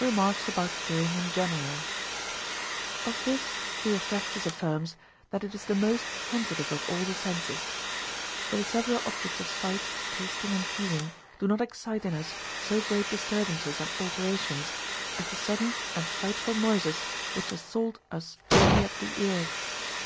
Remarks about Hearing in general. Of this Theophrastus affirms, that it is the most sensitive of all the senses. For the several objects of sight, tasting, and feeling do not excite in us so great disturbances and alterations as the sudden and frightful noises which assault us only at the ears.